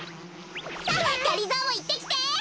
さっがりぞーもいってきて。